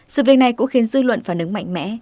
sự việc này cũng khiến dư luận phản ứng mạnh mẽ